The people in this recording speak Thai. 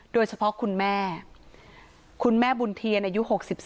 โดยเฉพาะคุณแม่คุณแม่บุญเทียนอายุ๖๓